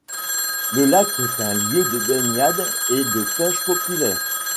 Le lac est un lieu de baignade et de pêche populaire.